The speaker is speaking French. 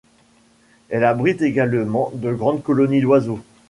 Elle abrite également de grandes colonies d'oiseaux.